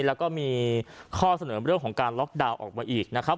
แล้วก็มีข้อเสนอเรื่องของการล็อกดาวน์ออกมาอีกนะครับ